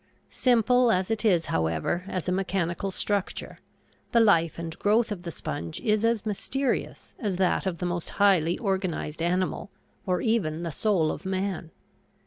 Simple as it is, however, as a mechanical structure, the life and growth of the sponge is as mysterious as that of the most highly organized animal or even the soul of man.